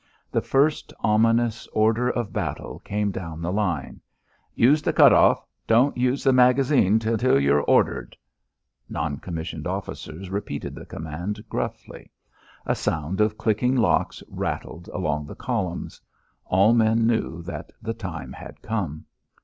The first ominous order of battle came down the line. "Use the cut off. Don't use the magazine until you're ordered." Non commissioned officers repeated the command gruffly. A sound of clicking locks rattled along the columns. All men knew that the time had come.